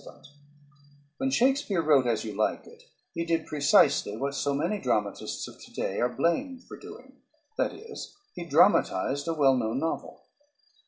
"_ When Shakespeare wrote "As You Like It" he did precisely what so many dramatists of to day are blamed for doing, that is, he dramatized a well known novel.